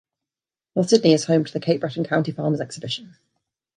North Sydney is home to the Cape Breton County Farmer's Exhibition.